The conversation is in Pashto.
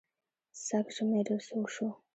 سږ ژمی ډېر سوړ شو.